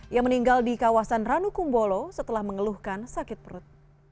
ia meninggal di kawasan ranukumbolo setelah mengeluhkan sakit perut